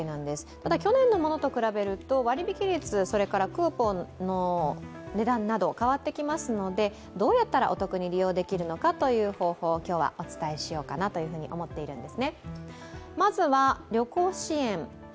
ただ去年のものと比べて、割引率、それからクーポンの値段など変わってきますので、どうやったらお得に利用できるのかという方法を今日はお伝えしようかなというふうに思っています。